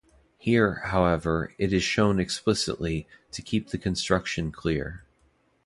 Here, however, it is shown explicitly, to keep the construction clear.